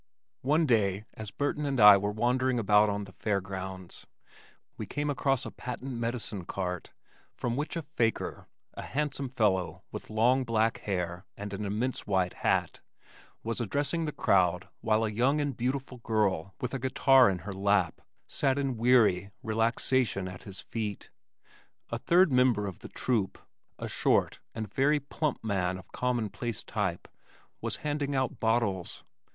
One day as Burton and I were wandering about on the fair grounds we came upon a patent medicine cart from which a faker, a handsome fellow with long black hair and an immense white hat, was addressing the crowd while a young and beautiful girl with a guitar in her lap sat in weary relaxation at his feet. A third member of the "troupe," a short and very plump man of commonplace type, was handing out bottles.